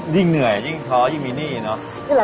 ยิ่งเหนื่อยยิ่งท้อยิ่งมีหนี้เนอะ